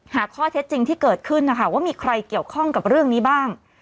หาข้อเท็จจริงที่เกิดขึ้นนะคะว่ามีใครเกี่ยวข้องกับเรื่องนี้บ้าง